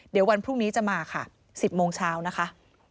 เดี๋ยววันพรุ่งนี้จะมาค่ะ๑๐โมงเช้านะคะ